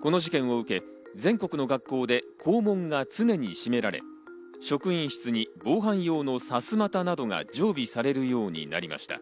この事件を受け、全国の学校で校門が常に閉められ、職員室に防犯用のさすまたなどが常備されるようになりました。